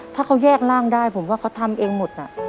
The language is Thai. ถ้าเขาแยกร่างได้ผมว่าเขาทำเองหมดน่ะ